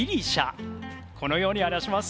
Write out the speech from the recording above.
このように表します。